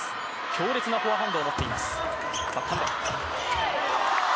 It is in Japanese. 強烈なフォアハンドを持っています。